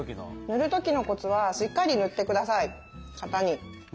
塗る時のコツはしっかり塗ってください型に。